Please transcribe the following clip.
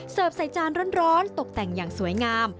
ใส่จานร้อนตกแต่งอย่างสวยงาม